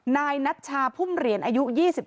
นายนัตชาภุมเรียนอายุ๒๔